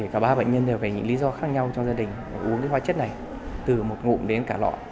cả ba bệnh nhân đều phải những lý do khác nhau cho gia đình uống cái hóa chất này từ một ngụm đến cả lọ